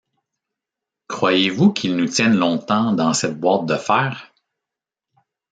Croyez-vous qu’ils nous tiennent longtemps dans cette boîte de fer?